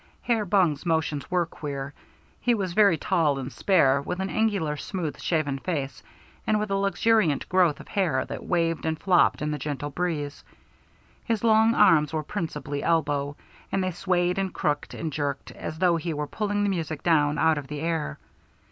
Herr Bunge's motions were queer. He was very tall and spare, with an angular, smooth shaven face, and with a luxuriant growth of hair that waved and flopped in the gentle breeze. His long arms were principally elbow, and they swayed and crooked and jerked as though he were pulling the music down out of the air.